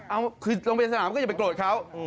โรงพยาบาลสนามก็จะไปโกรธเขา